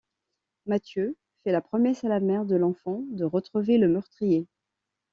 Mathieu fait la promesse à la mère de l'enfant de retrouver le meurtrier.